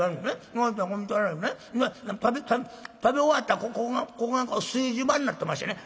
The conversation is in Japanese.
「食べ食べ終わったここが炊事場になってましてね